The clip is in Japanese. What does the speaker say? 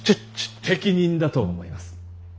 適任だと思います。